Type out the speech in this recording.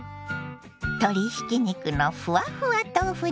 鶏ひき肉のふわふわ豆腐